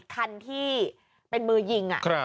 คันที่เป็นมือยิง